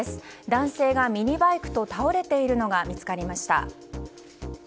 男性がミニバイクと倒れているのが見つかりました。